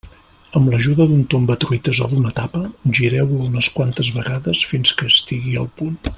Amb l'ajuda d'un tombatruites o d'una tapa, gireu-la unes quantes vegades fins que estigui al punt.